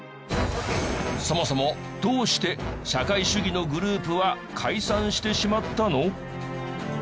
そもそもどうして社会主義のグループは解散してしまったの？